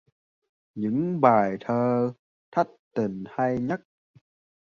Những bài thơ thất tình hay nhất